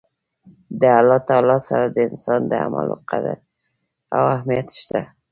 د الله تعالی سره د انسان د عملونو قدر او اهميت شته